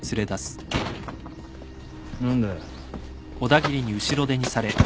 何だよ？